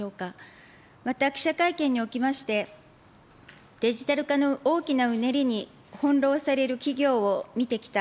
また記者会見におきまして、デジタル化の大きなうねりに翻弄される企業を見てきた。